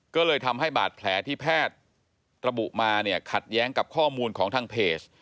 ก็เลยทำให้บาดแผลที่แพทย์ระบุมาเนี่ยขัดแย้งกับข้อมูลของทางเพจ